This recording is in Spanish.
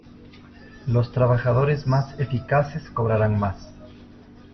Los trabajadores más eficaces cobrarán más.